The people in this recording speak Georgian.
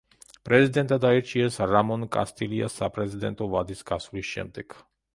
პრეზიდენტად აირჩიეს რამონ კასტილიას საპრეზიდენტო ვადის გასვლის შემდეგ.